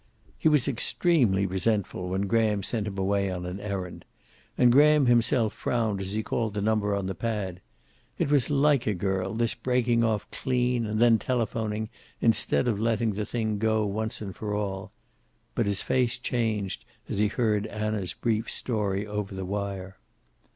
He was extremely resentful when Graham sent him away on an errand. And Graham himself frowned as he called the number on the pad. It was like a girl, this breaking off clean and then telephoning, instead of letting the thing go, once and for all. But his face changed as he heard Anna's brief story over the wire.